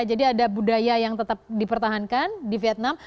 jadi ada budaya yang tetap dipertahankan di vietnam